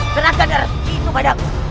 serahkan darah suci itu padaku